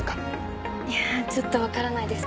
いやちょっとわからないです。